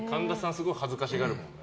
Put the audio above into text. すごい恥ずかしがるもんね。